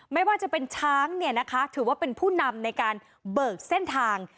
ไม่ว่าจะเป็นช้างเนี่ยนะคะถือว่าเป็นผู้นำในการเบิกเส้นทาง